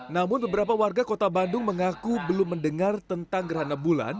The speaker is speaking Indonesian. namun beberapa warga kota bandung mengaku belum mendengar tentang gerhana bulan